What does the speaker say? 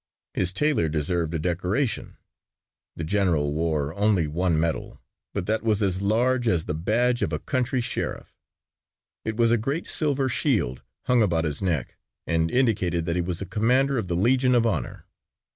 His tailor deserved a decoration. The general wore only one medal, but that was as large as the badge of a country sheriff. It was a great silver shield hung about his neck and indicated that he was a commander of the Legion of Honor.